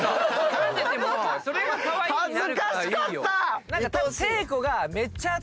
恥ずかしかった！